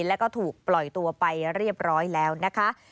แล้วก็ถูกปล่อยตัวไปเรียบร้อยแล้วนะคะ